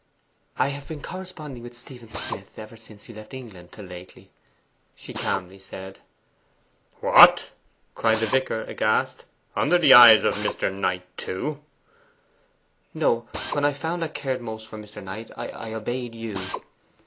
'I had been corresponding with Stephen Smith ever since he left England, till lately,' she calmly said. 'What!' cried the vicar aghast; 'under the eyes of Mr. Knight, too?' 'No; when I found I cared most for Mr. Knight, I obeyed you.